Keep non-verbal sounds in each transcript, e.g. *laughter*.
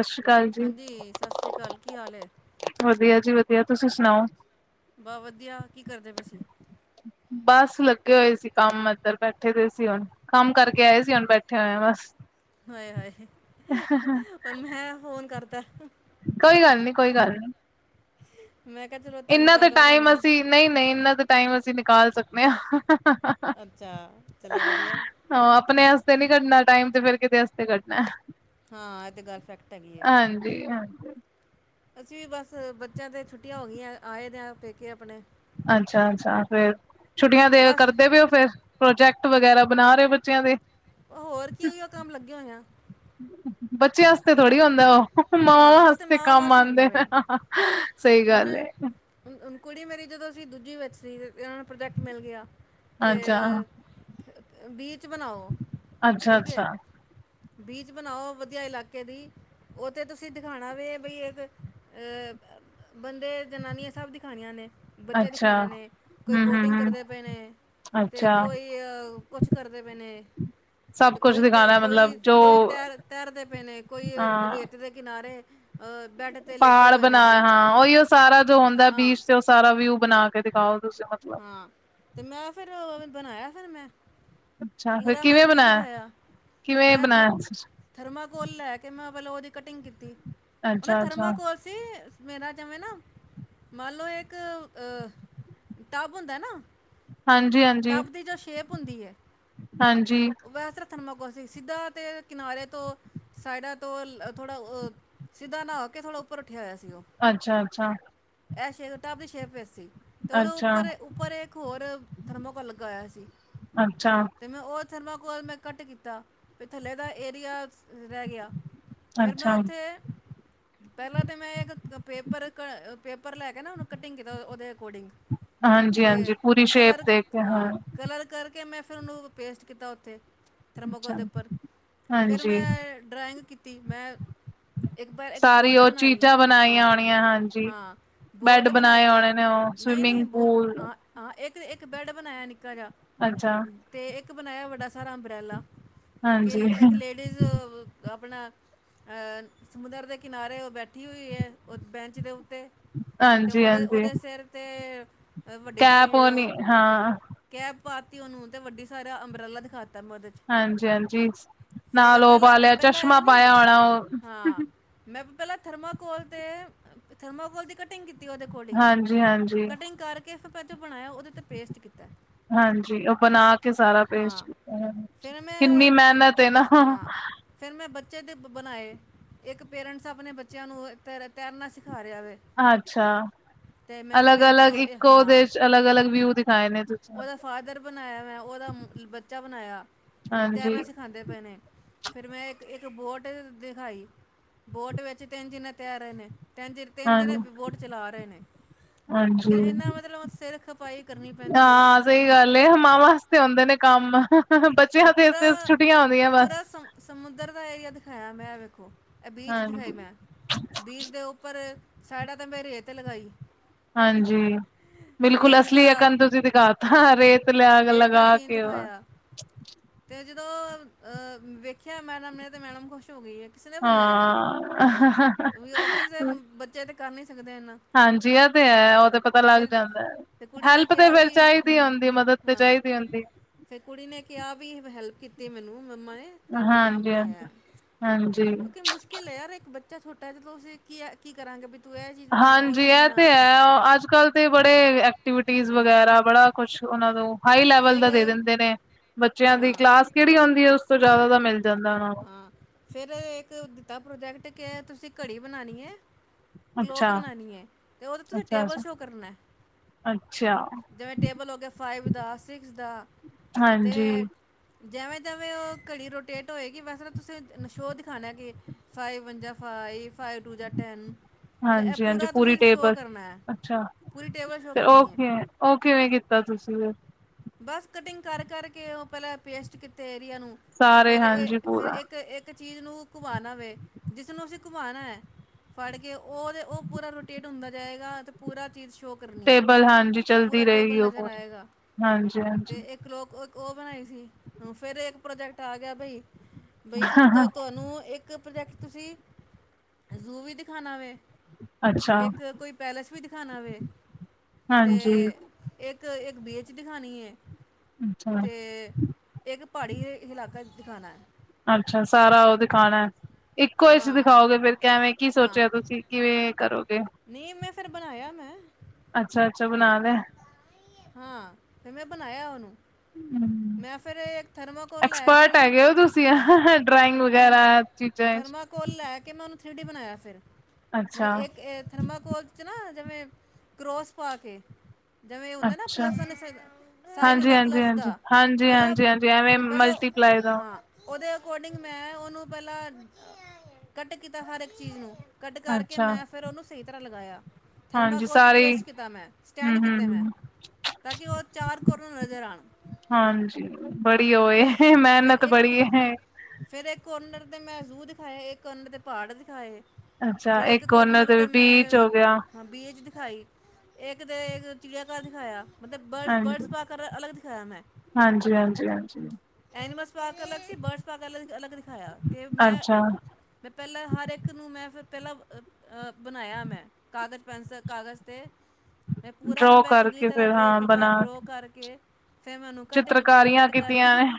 ਸਤਿ ਸ਼੍ਰੀ ਅਕਾਲ ਜੀ, ਹਾਂਜੀ ਸਤਿ ਸ਼੍ਰੀ ਅਕਾਲ ਕੀ ਹਾਲ ਏ। ਵਧੀਆ ਜੀ ਵਧੀਆ ਤੁਸੀਂ ਸੁਣਾਓ? ਵਾ ਵਧੀਆ ਕੀ ਕਰਦੇ ਪੇ ਸੀ? ਬੱਸ ਲੱਗੇ ਹੋਏ ਸੀ ਕੰਮ ਅੰਦਰ ਬੈਠੇ ਦੇ ਸੀ ਹੁਣ। ਕੰਮ ਕਰਕੇ ਆਏ ਸੀ ਹੁਣ ਬੈਠੇ ਹੋਏ ਆ ਬਸ। ਹੋਏ ਹਾਏ ਪਰ ਮੈਂ ਫੋਨ ਕਰਤਾ। ਕੋਈ ਗੱਲ ਨੀ, ਕੋਈ ਗੱਲ ਨੀ। ਮੈਂ ਕੇਆ ਚੱਲੋ ਤੰਗ ਕਰ ਦਵਾ ਤੁਹਾਨੂੰ। ਨਈ-ਨਈ ਇਨਾਂ ਤਾਂ ਟਾਈਮ ਅਸੀਂ ਨਿਕਾਲ ਸਕਨੇ ਆ। ਅੱਛਾ ਚੱਲੋ ਵਧੀਆ। ਹਾਂ ਆਪਣੇ ਵਾਸਤੇ ਨੀ ਕੱਢਣਾ ਟਾਈਮ 'ਤੇ ਫਿਰ ਕੀਂਦੇ ਵਾਸਤੇ ਕੱਢਣੈ। ਹਾਂ ਐ 'ਤੇ ਗੱਲ ਫੈਕਟ ਹੈਗੀ ਏ। ਹਾਂਜੀ-ਹਾਂਜੀ। ਅਸੀਂ ਵੀ ਬਸ ਬੱਚਿਆਂ 'ਤੇ ਛੁੱਟੀਆਂ ਹੋਗੀਆਂ ਆਏ ਦੇ ਆ ਪੇਕੇ ਆਪਣੇ। ਅੱਛਾ-ਅੱਛਾ ਫੇਰ ਛੁੱਟੀਆਂ ਦੇ ਬਸ ਕਰ ਦੇ ਵੇ ਓ ਫੇਰ ਪ੍ਰੋਜੈਕਟ ਵਗੈਰਾ ਬਣਾ ਰੇ ਓ ਬੱਚਿਆਂ ਦੇ। ਹੋਰ ਕੀ ਉਈਓ ਕੰਮ ਲੱਗੇ ਹੋਏ ਆ। *inaudible* ਬੱਚਿਆਂ ਵਾਸਤੇ ਥੋੜੀ ਹੁੰਦਾ ਓ ਹਾਂ ਮਾਵਾਂ ਉਹ ਤੇ ਵਾਸਤੇ ਮਾਂ ਕੰਮ ਵਾਸ ਹੁੰਦਾ ਆਂਦੇ। ਵੇ ਹੁਣ, ਹੁਣ ਕੁੜੀ ਮੇਰੀ ਜਦੋਂ ਸੀ ਦੂਜੀ ਵਿੱਚ ਸੀ ਏਨਾਂ ਨੂੰ ਪ੍ਰੋਜੈਕਟ ਮਿਲ ਗਿਆ ਕੇ ਅੱਛਾ ਬੀਚ ਬਣਾਓ, ਠੀਕ ਅੱਛਾ-ਅੱਛਾ, ਏ ਬੀਚ ਬਣਾਓ ਵਧੀਆ ਇਲਾਕੇ ਦੀ ਓ 'ਤੇ ਤੁਸੀਂ ਦਿਖਾਣਾ ਵੀ ਬਈ ਇੱਕ ਅ ਬੰਦੇ, ਜ਼ਨਾਨੀਆਂ ਸਭ ਦਖਾਣੀਆਂ ਨੇ ਬੱਚੇ ਅੱਛਾ ਦਿਖਾਨੇ ਨੇ ਕੋਈ ਬੋਟਿੰਗ ਹੂੰ-ਹੂੰ-ਹੂੰ, ਕਰਦੇ ਪੇ ਨੇ 'ਤੇ ਅੱਛਾ ਕੋਈ ਅ ਕੁਛ ਕਰਦੇ ਪੇ ਨੇ ਸਭ 'ਤੇ ਕੁਛ ਕੋਈ ਤ ਦਿਖਾਣਾ ਮਤਲਬ ਕੋਈ, ਜੋ ਕੋਈ ਤੈਰ ਤੈਰਦੇ ਪੇ ਨੇ, ਕੋਈ ਹਾਂ ਰੇਤ ਦੇ ਕਿਨਾਰੇ ਅ ਬੈਡ ਪਹਾੜ ਬਣਾ ਹਾਂ ਉਈਓ ਸਾਰਾ ਜੋ ਹੁੰਦਾ ਹਾਂ ਬੀਚ 'ਤੇ ਓ ਸਾਰਾ ਵਿਊ ਬਣਾ ਕੇ ਦਿਖਾਓ ਤੁਸੀਂ ਮਤਲਬ। ਹਾਂ 'ਤੇ ਮੈਂ ਫਿਰ ਬਣਾਇਆ ਫਿਰ ਮੈਂ। ਅੱਛਾ ਫਿਰ ਪੂਰਾ ਮੈਂ ਕਿਵੇਂ ਵਿਊ ਬਣਾਇਆ ਦਖਾਇਆ, ਕਿਵੇਂ ਮੈਂ ਇੱਥੇ ਬਣਾਇਆ ਥਰਮਾਕੋਲ ਲੈ ਕੇ ਮੈਂ ਪਹਿਲਾ ਉਦੀ ਕਟਿੰਗ ਕੀਤੀ, ਓ ਨਾਂ ਅੱਛਾ-ਅੱਛਾ ਥਰਮਾਕੋਲ ਤੀ ਮੇਰਾ ਜਿਵੇਂ ਨਾ ਮੰਨ ਲੋ ਇੱਕ ਅ ਟੱਬ ਹੁੰਦਾ ਨਾ ਹਾਂਜੀ-ਹਾਂਜੀ, ਟੱਬ ਦੀ ਜੋ ਸ਼ੇਪ ਹੁੰਦੀ ਐ, ਹਾਂਜੀ ਵੈਸੇ ਥਰਮਾਕੋਸੀ ਸਿੱਧਾ 'ਤੇ ਕਿਨਾਰੇ ਤੋਂ, ਸਾਈਡਾਂ ਤੋਂ ਥੋੜਾ ਅ ਸਿੱਧਾ ਨਾਂ ਕੇ ਥੋੜਾ ਉੱਪਰ ਉੱਠਿਆ ਹੋਇਆ ਸੀ ਓ, ਅੱਛਾ-ਅੱਛਾ, ਐ ਸ਼ੇ ਟੱਬ ਦੀ ਸ਼ੇਪ ਵਿਸ ਸੀ। 'ਤੇ ਉਦੇ ਅੱਛਾ-ਅੱਛਾ, ਉੱਪਰ, ਉੱਪਰ ਇੱਕ ਹੋਰ ਥਰਮਾਕੋਲ ਲੱਗਿਆ ਹੋਇਆ ਸੀ। 'ਤੇ ਮੈਂ ਓ ਥਰਮਾਕੋਲ ਮੈਂ ਕੱਟ ਕੀਤਾ ਫੇਰ ਥੱਲੇ ਦਾ ਏਰੀਆ ਸ ਰੈ ਗਿਆ। ਫੇਰ ਮੈਂ ਅੱਛਾ ਉੱਥੇ ਪਹਿਲਾਂ 'ਤੇ ਮੈਂ ਇੱਕ ਪੇਪਰ ਕ ਪੇਪਰ ਲੈ ਕੇ ਨਾ ਉਨੂੰ ਕਟਿੰਗ ਕੀਤਾ ਉਦੇ ਅਕੋਰਡਿੰਗ। ਤੇ ਹਾਂਜੀ-ਹਾਂਜੀ ਪੂਰੀ ਸ਼ੇਪ ਕਲਰ ਦੇ ਹਾਂ ਕਲਰ ਕਰਕੇ ਮੈਂ ਫਿਰ ਉਨੂੰ ਪੇਸਟ ਕੀਤਾ ਉੱਥੇ। ਥਰਮਾਕੋਲ ਅੱਛਾ ਦੇ ਉੱਪਰ, ਫਿਰ ਹਾਂਜੀ ਮੈਂ ਡਰਾਇੰਗ ਕੀਤੀ ਮੈਂ ਇੱਕ ਵਾਰ ਇੱਕ ਸਾਰੀ ਬੋਟ ਉਹ ਬਣਾਈ ਚੀਜ਼ਾਂ ਬਣਾਈਆਂ ਹਾਂ, ਹੋਣੀਆਂ ਹਾਂਜੀ ਹਾਂ ਬੈਡ ਬੋਟ ਬਣਾਏ ਬਣਾਈ ਹੋਣੇ ਨੇ ਉਹ ਨਈ-ਨਈ ਸਵਿਮਿੰਗ ਬ ਪੂਲ ਹਾਂ, ਹਾਂ ਇੱਕ-ਇੱਕ ਬੈਡ ਬਣਾਇਆ ਨਿ ਕਰਾਂ ਅੱਛਾ 'ਤੇ ਇੱਕ ਬਣਾਇਆਂ ਵੱਡਾ ਸਾਰਾ ਅੰਮਬਰੇਲਾ, ਹਾਂਜੀ, ਕੇਲੇ ਇੱਕ ਲੇ ਡੀਜ਼ ਆਪਣਾ ਅ, ਸਮੁੰਦਰ ਦੇ ਕਿਨਾਰੇ ਓ ਬੈਠੀ ਹੋਈ ਏ, ਓ ਬੈਂਚ ਦੇ ਉਤੇ ਤੇ ਹਾਂਜੀ, ਹਾਂਜੀ ਓਦੇ-ਓਦੇ ਸੇਰ ਤੇ, ਵੱਡੀ ਕੈਪ ਸਾਰੀ ਉਹ ਨੀ ਓ ਹਾਂ ਕੈਪ ਪਾਤੀ ਓਨੂੰ ਤੇ ਵੱਡੀ ਸਾਰਾ ਅੰਬਰੇਲਾ ਦਿਖਾਤਾ ਮਦ ਹਾਂਜੀ-ਹਾਂਜੀ, ਨਾਲ ਓ ਪਾ ਲੇਆ ਚਸ਼ਮਾ ਪਾਆ ਹੋਣਾ ਓ ਆਂ ਮੈ ਪ, ਪੈਲਾ ਥਰਮਾਕੋਲ ਤੇ, ਥਰਮਾਕੋਲ ਦੀ ਕਟਿੰਗ ਕੀਤੀ ਓਦੇ ਕੋਡਿੰਗ, ਹਾਂਜੀ, ਹਾਂਜੀ, ਕਟਿੰਗ ਕਰਕੇ ਫੇ ਬਚੋ ਬਣਾਏਆ, ਓਦੇ ਤੇ ਪੇਸਟ ਕੀਤਾ ਹਾਂਜੀ, ਓ ਬਣਾ ਕੇ ਸਾਰਾ ਪੇਸ਼ਟ ਹਾਂ ਕੀਤਾ, ਫਿਰ ਕਿੰਨੀ ਮੈਨਤ ਏ ਨਾ ਫੇਰ ਮੈਂ ਬੱਚੇ ਦੇ ਬ, ਬਣਾਏ, ਏਕ ਪੇਰਟਸ ਆਪਣੇ ਬੱਚੇਆਂ ਨੂੰ ਤੈਰ ਤੈਰਨਾ ਸਿਖਾ ਰੇਆ ਵੇ ਅੱਛਾ, ਤੇ ਮੈਂ ਪੇਰੈਂਟ ਅਲਗ-ਅਲਗ ਦੋ ਇਹ- ਇਕੋ ਦੇਸ਼ ਅਲਗ-ਅਲਗ ਵਿਊ ਦਿਖਾਏ ਨੇ ਤੁ ਓਦਾ ਫਾਦਰ ਬਣਾਆ ਵੈ, ਓਦਾ ਮ ਬੱਚਾ ਬਣਾਆ, ਹਾਂਜੀ, ਤੈਰਣਾ ਸਿਖਾਦੇ ਪੇ ਨੇ ਫਿਰ ਮੈਂ ਏਕ-ਏਕ ਬੋਟ ਦਿਖਾਈ, ਬੋਟ ਵਿੱਚ ਤੇਂਨ ਜੇਨੇ ਤੈਰ ਰੇ ਨੇ ਤੇਂਨ ਜੇ ਤੇਂਨ ਦਿਨੇ ਹਾਂਜੀ, ਬੋਟ ਚਲਾ ਰੇ ਨੇ, ਮਤਬ ਹਾਂਜੀ ਏਨਾ ਮਤਬ ਸੇਰ ਖਪਾਈ ਕਰਨੀ ਪੈਂਦੀ ਏ ਆਂ ਸਈ ਗੱਲ ਏ, ਮਾਵਾਂ ਵਾਸਤੇ ਆਉਦੇ ਨੇ ਕੰਮ ਆ ਹਮ ਬੱਚੇ ਫਿਰ ਹਾ ਪੂਰਾ ਪੇਜ-ਪੇਜ ਛੁੱਟਿਆ ਆਦੀਆ ਪੂਰਾ ਬੱਸ ਸਮ- ਸਮੁੰਦਰ ਦਾ ਏ ਏਰੀਆ ਦਿਖਾਆ ਮੈਂ ਵੇਖੋ, ੲੈ ਬੀਚ ਦਿਖਾਏ ਹਾਂਜੀ, ਮੈ ਬੀਜ ਦੇ ਉੱਪਰ ਸੈਡਾ ਤੇ ਮੈਂ ਰੇਤ ਲਗਾਈ ਹਾਂਜੀ। ਬਿਲਕੁਲ ਰੇਤ ਅਸਲੀ ਦਾ ੲੈ ਕਾਧ ਤੁਸੀ ਹਾਂ ਦਿਖਾਤਾ ਰੇਤ ਲਾ ਲਗ ਰੇਤ ਦਾ ਲਗਾ ਸੀਨ ਕੇ ਓ *inaudible* ਦਿਖਾਇਆ ਤੇ ਜਿਦੋਂ, ਅ ਵੇਖਿਆ ਮੈਡਮ ਨੇ ਤੇ ਮੈਡਮ ਖੁਸ਼ ਹੋ ਗੀ ਏ ਕਿਸ ਨੇੇ ਬਣਾਐ, ਕਿਉਂਕਿ ਔਫਿਸ ਦੇ ਬੱਚੇ ਤੇ ਕੱਰ ਨੀ ਸਕਦੇ ਏਨਾ ਹਾਂਜੀ ਐ ਤੇ ੲੈ ਓ ਤੇ ਪਤਾ ਲੱਗ ਜਾਦਾ ਤੇ ਕੁੜੀ ਨੇ ਹੈਲਪ ਤੇ ਕਿਹਾ ਵੈਲ ਵੀ ਚਾਈਦੀ ਹੁੰਦੀ, ਮਦਦ ਤੇ ਚਾਈਦੀ ਹੁੰਦੀ ਫੇਰ ਕੁੜੀ ਨੇ ਕੇਆ ਵੀ, ਹੈਲਪ ਕੀਤੀ ਮੈਨੂੰ ਮੰਮਾ ਨੇ ਤੇ ਮੈ ਤਾਂ ਹਾਂਜੀ ਬਣਾਐ, ਹਾਂਜੀ ਹਾਂਜੀ ਕਿਉਂਕਿ ਮੁਸ਼ਕਿਲ ੲੈ ਯਾਰ ੲ ਬੱਚਾ ਛੋਟਾ ਚਲੋ ਅਸੀਂ ਕੀ ੲੈ ਕੀ ਕਰਾਂਗੇ ਤੂੰ ਇਹ ਚੀਜ਼ ਬਣਾ ਉਹ ਹਾਂਜੀ ਚੀਜ਼ ਐ ਬਣਾ ਤੇ ੲੈ, ਅੱਜ-ਕੱਲ ਤੇ ਬੜੇ ਐਕਟੀਵਿਟੀਜ਼ ਹਾਂ ਵਗੈਰਾ ਬੜਾ ਕੁਛ ਓਨਾ ਨੂੰ ਹਾਈ ਲੈਵਲ ਫਿਰ ਦਾ ਦੇ ਦਿੰਦੇ ਨੇ ਬੱਚੇਆਂ ਦੀ ਹਾਂ ਕਲਾਸ ਕਿੜੀ ਆਉਂਦੀ ੲੈ ਉਸ ਤੋਂ ਜਾਦਾ ਦਾ ਮਿਲ ਜਾਦਾ ਓਨਾ ਆਂ, ਫੇਰ ਏਕ ਦਿੱਤਾ ਪ੍ਰੋਜੈਕਟ, ਕੇ ਤੁਸੀਂ ਘੜੀ ਬਣਾਣੀ ਏ ਕਲੋਕ ਅੱਛਾ ਬਣਾਣੀ ੲੈ, ਤੇ ਓਦੇ ਤੇ ਤੁਸੀਂ ਅੱਛਾ ਟੇਬਲ ਅੱਛਾ ਸ਼ੋਅ ਕਰਨਾ ਅੱਛਾ। ਜੇਵੇ ਟੇਬਲ ਹੋ ਗੇਆ ਫਾਈਵ ਦਾ ਸਿਕਸ ਦਾ, ਤੇ ਹਾਂਜੀ ਜੈਵੇ-ਜੈਵੇ ਓ ਘੜੀ ਰੋਟੇਟ ਹੋਏਗੀ ਵੈਸੇ ਤਾਂ ਤੁਸੀ ਨਸ਼ੋਅ ਦਿਖਾਣਾ ਕਿ ਫਾਈਵ ਵਨ ਜਾਂ ਫਾਈਵ, ਫਾਈਵ ਟੂ ਜਾਂ ਟੈਨ ਮਤਬ ੲੈ ਹਾਂਜੀ ਹਾਂਜੀ ਪੂਰਾ ਪੂਰੀ ਤੁਸੀਂ ਸ਼ੋ ਟੇਬਲ ਕਰਨੈ, ਪੂਰੀ ਟੇਬਲ ਸ਼ੋ ਕਰਨੀ ੲੈ ਓ ਕਿਵੇਂ ਕੀਤਾ ਤੁਸੀਂ ਫੇਰ ਬੱਸ ਕਟਿੰਗ ਕੱਰ-ਕੱਰ ਕੇ ਓ ਪੈਲਾ ਪੇਸਟ ਕੀਤੇ ਏਰੀਆ ਨੂੰ ਸਾਰੇ ਫੇਰ ਏ ਹਾਂਜੀ ਫੇਰ ਪੂਰਾ ਏਕ ਏ ਕ ਚੀਜ਼ ਨੂੰ ਘੁਮਾਣਾ ਵੇ, ਜਿਸਨੂੰ ਅਸੀਂ ਘੁਮਾਣੈ ਫੜ ਕੇ ਓ ਤੇ ਓ ਪੂਰਾ ਰੋਟੇ ਹੁੰਦਾ ਜਾਏਗਾ ਤੇ ਪੂਰਾ ਚੀਜ਼ ਸ਼ੋ ਕਰਨੀ ਹੈ ਟੇਬਲ ਹਾਂਜੀ ਚਲਦੀ ਰੇਗੀ ਓਹੋ, *unintelligible* ਹਾਂਜੀ-ਹਾਂਜੀ ਕਲੋਕ ਓ-ਓ ਬਣਾਈ ਸੀ, ਅ ਫੇਰ ਏਕ ਪ੍ਰੋਜੈਕਟ ਆ ਗੇਆ ਬਈ ਬਈ ਤੁਸੀਂ ਤਾਂ ਤਵਾਨੂੰ ਏਕ ਪ੍ਰਜੈਕਟ ਤੁਸੀਂ, ਜ਼ੂ ਵੀ ਦਿਖਾਣਾ ਵੇ ਅੱਛਾ ਏਕ ਕੋਈ ਪੈਲੇਸ ਵੀ ਦਿਖਾਣਾ ਵੇ, ਤੇ ਹਾਂਜੀ ਏਕ-ਏਕ, ਬੀਚ ਦਿਖਾਣੀ ਏ, ਅੱਛਾ ਤੇ ਇੱਕ ਪਹਾੜੀ ਇਲਾਕਾ ਏ ਦਿਖਾਣਾ। ਅੱਛਾ ਸਾਰਾ ਉਹ ਦਿਖਾਉਣਾ ਇੱਕੋ ਵਿਚ ਹਾਂ ਦਿਖਾਓਗੇ ਫੇਰ ਕੈਵੇਂ ਕੀ ਹਾਂ ਸੋਚਿਆ ਤੁਸੀਂ। ਕਿਵੇਂ ਕਰੋਗੇ। ਨਹੀਂ, ਮੈਂ ਫੇਰ ਬਣਾਇਆ ਮੈਂ। ਅੱਛਾ-ਅੱਛਾ, ਬਣਾਇਆਂ ਦਾ। ਹਾਂ, ਫਿਰ ਮੈਂ ਬਣਾਇਆ ਉਹਨੂੰ। *unintelligible* ਮੈਂ ਫਿਰ ਇੱਕ ਥਰਮਾਕੋਲ ਲੈ ਕੇ ਐਕਸਪਰਟ ਉਹਨੂੰ ਹੈਗੇ ਔ ਤੁਸੀਂ, ਹਾਂ ਅਹ ਡਰਾਇੰਗ ਵਗੈਰਾ ਚੀਜ਼ਾਂ ਵਿਚ। ਫੁੱਲ ਲੈ ਕੇ ਮੈਂ ਉਹਨੂੰ ਥ੍ਰੀ ਡੀ ਬਣਾਇਆ ਫਿਰ ਹਾਂ ਅੱਛਾ ਇੱਕ- ਇਕ ਥਰਮਾਕੋਲ 'ਚ ਨਾ ਜਿਵੇਂ ਕਰੋਸ ਪਾ ਕੇ। ਜਿਵੇਂ ਏ ਹੁੰਦਾ ਨਾ ਅੱਛਾ ਪਲੱਸਨ ਨਿਸ ਸਾਈਨ ਹਾਂਜੀ ਹੁੰਦਾ ਹਾਂਜੀ ਪਲੱਸ ਹਾਂਜੀ ਦਾ ਹਾਂਜੀ ਪਹਿਲੋ- ਹਾਂਜੀ ਹਾਂਜੀ ਐਵੇਂ ਪਹਿਲੋ, ਮਲਟੀਪਲਾਈ ਦਾ ਹਾਂ। ਓਦੇ ਅਕੋਡਿੰਗ ਮੈਂ ਓਹਨੂੰ ਪਹਿਲਾਂ ਕੱਟ ਕੀਤਾਂ ਹਰ ਇੱਕ ਚੀਜ਼ ਨੂੰ। ਕੱਟ ਕਰਕੇ ਅੱਛਾ ਮੈਂ ਫਿਰ ਉਹਨੂੰ ਸਹੀ ਤਰ੍ਹਾਂ ਲਗਾਇਆ, ਹਾਂਜੀ ਥਰਮਾਕੋਲ ' ਸਾਰੇ ਪੇਸ਼ਟ ਕੀਤਾ ਮੈਂ ਹੂੰ ਸਟੈਂਡ ਕੀਤ ਹੂੰ ਤੇ ਮੈ ਹੂੰ। ਤਾਂ ਕਿ ਉਹ ਚਾਰ ਕੋਰਨਰ ਨਜ਼ਰ ਆਣ। ਹਾਂਜੀ, ਬੜੀ ਓ ਏ ਮਿਹਨਤ ਬੜੀ ਏ। ਫੇਰ ਇੱਕ ਕੋਰਨਰ ਤੇ ਮੈਂ ਜ਼ੂ ਦਿਖਾਏ, ਇੱਕ ਕੋਰਨਰ ਤੇ ਪਹਾੜ ਦਿਖਾਏ। ਅੱਛਾ ਫੇਰ ਇੱਕ ਉਹਨਾਂ ਕੋਰਨਰ ਦੇ ਤੇ ਬੀਚ ਮੈਂ ਹੋ ਗਿਆ ਹਾਂ, ਬੀਜ ਦਿਖਾਈ ਇੱਕ ਤੇ ਇੱਕ ਚਿੜੀਆਘਰ ਦਿਖਾਇਆ। ਮਤਲਬ ਬਰਡਸ -ਬਰਡਸ ਸਪਕਰ ਅਲਗ ਦਿਖਾਇਆਂ ਮੈਂ ਹਾਂਜੀ-ਹਾਂਜੀ, ਹਾਂਜੀ। ਐਨੀਮਲਸ ਸਪਾਕ ਅਲੱਗ ਸੀ ਬਰਡਸ ਸਪਾਕ ਅ ਅਲੱਗ ਦਿਖਾਇਆ, ਤੇ ਮੈਂ ਅੱਛਾ ਮੈਂ ਪਹਿਲਾਂ ਹਰ ਇੱਕ ਨੂੰ ਮੈਂ ਫਿਰ ਪਹਿਲਾਂ ਅ -ਅ ਬਣਾਇਆ ਮੈਂ। ਕਾਗਜ਼ ਪੈਨਸਲ ਕਾਗਜ਼ 'ਤੇ। ਮੈਂ ਪੂਰਾ ਡਰੋ ਮੈਂ ਚੰਗੀ ਕਰਕੇ ਤਰ੍ਹਾਂ ਫਿਰ ਡਰੋ ਹਾਂ ਕੀਤਾ, ਬਣਾ ਡਰੋ ਕਰਕੇ ਫਿਰ ਮੈਨੂੰ ਕੱਟ ਕੀਤਾ ਚਿੱਤਰਕਾਰੀਆਂ ਕੱਟ ਕੀਤੀਆਂ ਕਰਕੇ ਨੇ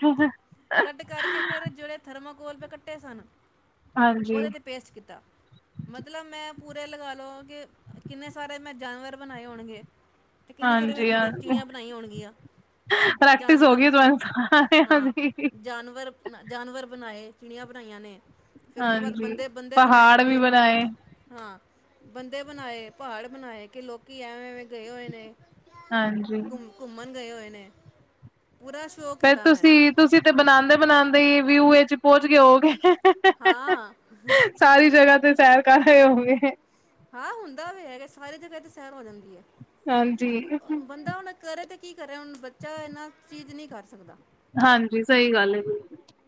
ਕੱਟ ਕਰਕੇ ਫਿਰ ਜਿਹੜੇ ਥਰਮਾਕੋਲ ਮੈ ਕੱਟੇ ਸਨ। ਹਾਂਜੀ ਉਹਦੇ 'ਤੇ ਪੇਸਟ ਕੀਤਾ। ਮਤਲਬ ਮੈਂ ਪੂਰੇ ਲਗਾ ਲਓ ਕਿ ਕਿੰਨੇ ਸਾਰੇ ਮੈਂ ਜਾਨਵਰ ਬਣਾਏ ਹੋਣਗੇ। ਤੇ ਕਿੰਨੇ ਸਾਰੇ ਮੈਂ ਹਾਂਜੀ ਚਿੜੀ ਹਾਂਜੀ ਚਿੜੀਆਂ ਬਣਾਈਆਂ ਹੋਣਗੀਆਂ, ਪ੍ਰੈਕਟਿਸ ਹੋ ਜਾਨਵਰ *inaudible* ਹਾਂ, ਦੀ ਜਾਨਵਰ- ਜਾਨਵਰ ਬਣਾਏ, ਚਿੜੀਆਂ ਬਣਾਈਆਂ ਨੇ। ਫਿਰ ਉਸਤੋ ਬਾਅਦ ਹਾਂਜੀ ਬੰਦੇ -ਬੰਦੇ ਬਣਾਏ ਪਹਾੜ ਵੀ ਕੇ, ਬਣਾਏ ਹਾਂ। ਬੰਦੇ ਬਣਾਏ, ਪਹਾੜ ਬਣਾਏ ਕਿ ਲੋਕੀ ਐਵੇਂ -ਐਵੇਂ ਗਏ ਹੋਏ ਨੇ। ਹਾਂਜੀ। ਘੁੰਮ ਘੁੰਮਣ ਗਏ ਹੋਏ ਨੇ, ਪੂਰਾ ਸ਼ੌ ਫੇਰ ਤੁਸੀਂ -ਤੁਸੀਂ ਤੇ ਬਣਾਦੇ -ਬਣਾਉਦੇ ਈ ਵਿਊਏ ਚ ਪਹੁੰਚ ਗੇ ਹੋਵੋਗੇ। ਹਾਂ। ਸਾਰੀ ਜਗ੍ਹਾ ਤੇ ਸੈਰ ਕਰ ਆਏ ਹੋਵੋਗੇ। ਹਾਂ, ਹੁੰਦਾ ਤੇ ਹੈਗਾ, ਸਾਰੇ ਜਗਾਂ ਤੇ ਸੈਰ ਹੋ ਜਾਂਦੀ ਐ। ਹਾਂਜੀ। ਬੰਦਾ ਹੁਣ ਕਰੇ ਤੇ ਕੀ ਕਰੇ, ਹੁਣ ਬੱਚਾ ਏ ਨਾ ਚੀਜ਼ ਨੀ ਕਰ ਸਕਦਾਂ। ਹਾਂਜੀ, ਸਹੀ ਗੱਲ ਐ ਬਿਲ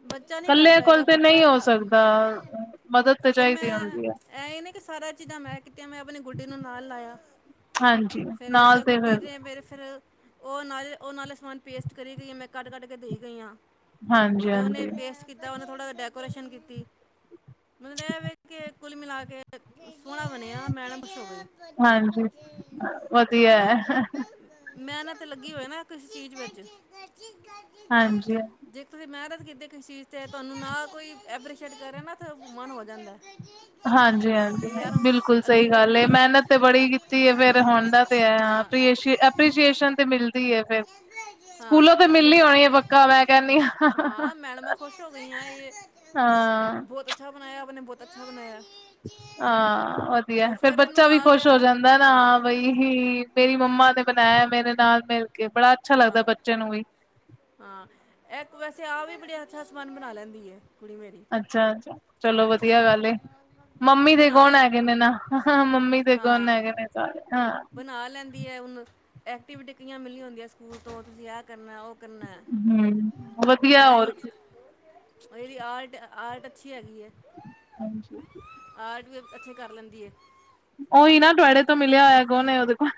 ਬੱਚਾ ਨਹੀਂ ਕਰ ਕੱਲੇ ਕੋਲ ਪਾਏਗਾ ਤੇ ਬੱਚਾ ਨਹੀਂ ਹੋ ਥਾ- ਸਕਦਾ, ਹਾਂ ਮਦਦ ਤੇ ਚਾਹੀਦੀ ਹੁੰਦੀ ਐ। ਐਹ ਏ ਨੇ ਕਿ ਸਾਰਾ ਚੀਜ਼ਾਂ ਮੈਂ ਕੀਤੀਆਂ, ਮੈਂ ਆਪਣੀ ਗੁੱਡੀ ਨੂੰ ਨਾਲ ਲਾਇਆਂ। ਹਾਂਜੀ ਫਿਰ- ਨਾਲ ਫਿਰ ਤੇ ਗੁੱਡੀ ਨੇ ਮੇਰੇ ਫਿਰ ਉਹ ਨਾਲੇ ਉਹ ਨਾਲੇ ਸਮਾਨ ਪੇਸਟ ਕਰੀ ਗਈ, ਆ ਮੈਂ ਕਟ ਕਟ ਕੇ ਦੇਈ ਗਈ ਹਾਂ। ਹਾਂਜੀ ਤੇ ਉਹਨੇ ਹਾਂਜੀ ਪੇਸਟ ਕੀਤਾ, ਉਹਨੇ ਥੋੜਾ ਡੈਕੋਰੇਸ਼ਨ ਕੀਤੀ ਮਤਲਬ ਇਹ ਵ ਕੁਲ ਮਿਲਾ ਕੇ ਸੋਹਣਾ ਬਣਿਆ, ਮੈਡਮ ਖੁਸ਼ ਹੋਗੀ। ਹਾਂਜੀ ਕਿਉਂਕਿ ਵਧੀਆ ਨਾ ਹੈ ਮੈਨਤ ਲੱਗੀ ਹੋਏ ਨਾ ਕਿਸੇ ਚੀਜ਼ ਵੇਚ ਹਾਂਜੀ। ਜੇ ਤੁਸੀਂ ਮੈਹਨਤ ਕੀਤੀ ਕਿਸੀ ਚੀਜ਼ ਚ ਤੁਆਨੂੰ ਨਾ ਕੋਈ ਐਪਰੀਸ਼ੀਏਟ ਕਰੇ ਨਾ ਤੇ ਮਨ ਹੋ ਜਾਂਦੈ। ਹਾਂਜੀ-ਹਾਂਜੀ, ਨਹੀਂ ਬਿਲਕੁਲ ਅਗਲੀ ਸਹੀ ਵਾਰ ਗੱਲ ਮੈਂ ਏ, ਮੈਹਨਤ ਤੇ ਬੜੀ ਕੀਤੀ ਏ ਫੇਰ ਹੋੰਦਾ ਤੇ ਐ ਹਾਂ ਆਧ ਤੀਏ ਸੀ਼ ਐਪਰੀਸੀਏਸ਼ਨ ਤੇ ਮਿਲਦੀ ਏ ਫੇਰ। ਹਾਂ ਸਕੂਲੋਂ ਤੇ ਮਿਲੀ ਹੋਣੀ ਏ ਪਕ ਕਾ ਮੈਂ ਕੈੰਣੀ ਆਂ। ਹਾਂ, ਮੈਡਮਾਂ ਖੋਸ਼ ਹੋ ਗਈਆਂ ਏਹ ਹਾਂ ਬੌਤ ਅੱਛਾ ਬਣਾਯਾ ਆਪ ਨੇ ਬੌਤ ਅੱਛਾ ਬਣਾਯਾ। ਹਾਂ, ਵਧੀਆ ਐ ਫੇਰ ਬੱਚਾ ਵੀ ਆ ਖੁਸ਼ ਗਿਆ ਹੋ ਜਾਂਦਾ ਐਨਾ ਹਾਂ ਬਈ ਕੀ ਮੇਰੀ ਮੰਮਾ ਨੇ ਬਣਾਯਾ ਐ ਮੇਰੇ ਨਾਲ ਮਿਲ ਕੇ, ਬੜਾ ਅੱਛਾ ਲੱਗਦਾ ਐ ਹਾਂ ਬੱਚੇ ਨੂੰ ਵੀ। ਹਾਂ, ਐ ਇੱਕ ਵੈਸੇ ਆਹ ਵੀ ਬੜੇ ਅੱਛਾ ਸਮਾਨ ਬਣਾ ਲੈਂਦੀ ਏ ਕੁੜੀ ਮੇਰੀ। ਅੱਛਾ-ਅੱਛਾ। ਚਲੋ ਵਧੀਆ ਗੱਲ ਏ। ਮੰਮੀ ਦੇ ਬਣਾ ਗੋਣ ਲੈ ਹੈਗੇ ਨੇ ਨਾ, ਮੰਮੀ ਦੇ ਗੋਣ ਹਾਂ ਹੈਗੇ ਨੇ। ਹਾਂ। ਬਣਾ ਲੈਂਦੀ ਏ ਹੁਣ, ਐਕਟੀਵਿਟੀ ਕਈਆਂ ਮਿਲੀ ਹੁੰਦੀਐਂ ਸਕੂਲ ਤੋਂ ਤੁਸੀਂ ਐਹ ਕਰਨੈ ਓਹ ਕਰਨ ਐ। ਹਮ ਵਧੀਆ ਡਰਾਇੰਗ ਹੋਰ ਕੀ ਔਰ ਏਹਦੀ ਆਰਟ-ਆਰਟ ਅੱਛੀ ਹੈਗੀ ਏ। ਹਾਂਜੀ। ਆਰਟ ਵੀ ਅੱਛੀ ਕਰ ਲੈਂਦੀ ਏ। ਓਈ ਨਾ ਤੁਵੈਡੇ ਤੋਂ ਮਿਲਿਆ ਹੋਇਆ ਗੋਨ ਏ ਉਹਦੇ ਕੋਲ,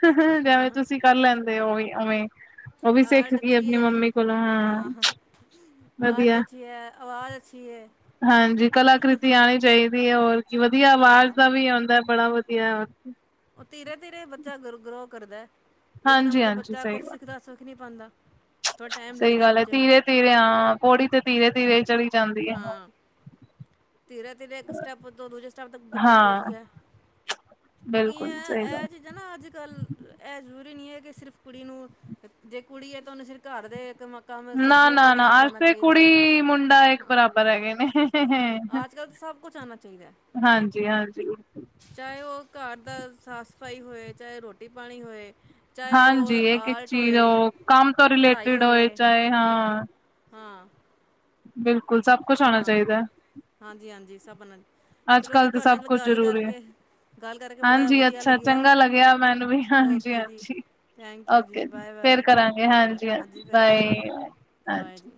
ਜੈਵੇਂ ਹਾਂ ਤੁਸੀਂ ਕਰ ਲੈਂਦੇ ਔ ਓਵੀ ਓਵੇਂ। ਓਵੀ ਸਿੱਖ ਗਈ ਏ ਅਪਣੀ ਮੰਮੀ ਕੋਲੋਂ ਹਾਂ। ਵਧੀਆ ਐ ਹਾਂਜੀ ਕਲਾਕ੍ਰਿਤੀਆਂ ਆਣੀ ਚਾਈਦੀ ਏ ਹੋਰ ਕੀ, ਵਧੀਆ ਐ ਅਵਾਜ਼ ਹਾਂ ਦਾ ਵੀ ਹੁੰਦਾਂ ਬੜਾ ਵਧੀਐ, ਹੋਰ ਕੀ। ਓ ਧੀਰੇ-ਧੀਰੇ ਬੱਚਾ ਗ ਗਰੋ ਕਰਦਾ ਐ। ਇਕਦਮ ਤੇ ਹਾਂਜੀ-ਹਾਂਜੀ ਬੱਚਾ ਸਹੀ ਕੁਛ ਗੱਲ ਸਿੱਖਦਾ ਸੁਖ ਨੀ ਪਾੰਦਾ। ਥੋੜ੍ਹਾ ਟੈਮ ਲੱਗਦਾ ਐ ਬੱਚੇ ਨੂੰ। ਧੀਰੇ ਆ ਪੌੜੀ ਤੇ ਧੀਰੇ-ਧੀਰੇ ਈ ਚੜੀ ਜਾਂਦੀ ਏ। ਹਾਂ ਧੀਰੇ ਤੀਰੇ ਏਕ ਸਟੈਪ ਤੋਂ ਦੂਜੇ ਸਟੈਪ ਤੱਕ ਬੱਚਾ ਹਾਂ ਪਹੁੰਚਦਾ ਐ। ਕਿਉਂਕਿ ਬਿਲਕੁਲ ਯੈਂ ਸਹੀ ਗੱਲ ਐਹ ਚੀਜ਼ਾਂ ਨਾ ਅੱਜ-ਕੱਲ੍ਹ ਐ ਜ਼ਰੂਰੀ ਨੀ ਐ ਕਿ ਸਿਰਫ਼ ਕੁੜੀ ਨੂੰ ਤੇ ਜੇ ਕੁੜੀ ਏ ਤੇ ਓਨੂੰ ਸਿਰ ਘਰ ਦੇ ਕਮਾ ਨਾ-ਨਾ-ਨਾ ਅਜ ਤੇ ਕੁੜੀ ਮੁੰਡਾ ਏਕ ਬਰਾਬਰ ਹੈਗੇ ਨੇ। ਅੱਜ ਕੱਲ੍ਹ ਤਾਂ ਸਭ ਕੁਛ ਆਉਣਾ ਹਾਂਜੀ-ਹਾਂਜੀ। ਚਾਏ ਓਹ ਘਰ ਦਾ ਸਾਫ਼-ਸਫ਼ਾਈ ਹੋਏ ਚਾਏ ਰੋਟੀ-ਪਾਣੀ ਹੋਏ। ਚਾਏ ਹਾਂਜੀ ਓਹ ਇੱਕ-ਇੱਕ ਆਰਟ ਚੀਜ਼ ਹੋਏ। ਉਹ ਕੰਮ ਤੋਂ ਪੜ੍ਹਾਈ ਰਿਲੇਟਿਡ ਹੋਏ ਹੋਵੇ ਚਾਏ ਹਾਂ। ਹਾਂ। ਬਿਲਕੁਲ ਸਭ ਕੁਛ ਆਣਾ ਚਾਹੀਦਾ ਐ। ਹਾਂਜੀ-ਹਾਂਜੀ, ਸਭ ਅਣਾ ਅੱਜ-ਕਲ ਤੇ ਸਭ ਕੁਝ ਜ਼ਰੂਰੀ ਏ। ਗੱਲ ਕਰਕੇ ਬੜਾ ਹਾਂਜੀ ਵਧੀਆ ਅੱਛਾ, ਲੱਗਿਆ ਚੰਗਾ ਲੱਗਿਆ ਮੈਨੂੰ ਵੀ ਓਕੇ ਜੀ ਹਾਂਜੀ-ਹਾਂਜੀ। ਥੈਂਕ ਯੂ ਜੀ ਓਕੇ ਬਾਏ ਫੇਰ ਬਾਏ ਕਰਾਂਗੇ, ਬਾਏ ਬਾਏ ਹਾਂਜੀ ਹਾਂਜੀ-ਹਾਂਜੀ ਫਿਰ ਬਾਏ ਕਰਾਂਗੇ ਬਾਏ ਹਾਂਜੀ। ਜੀ